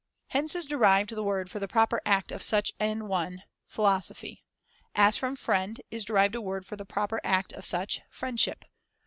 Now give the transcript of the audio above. Hence is derived the word for the proper act of such an one, philosophy ; as from * friend ' is derived a word for the proper act of such, friendship.